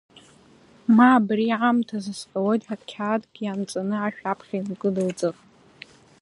Ма абри аамҭазы сҟалоит ҳәа қьаадк ианҵаны ашә аԥхьа инкыдылҵар…